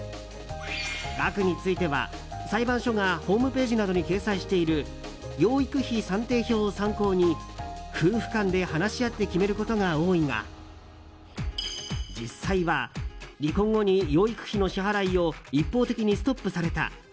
額については、裁判所がホームページなどに掲載している養育費算定表を参考に夫婦間で話し合って決めることが多いが実際は離婚後に養育費の支払いを一方的にストップされた。